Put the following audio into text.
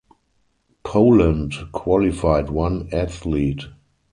Poland qualified one athlete.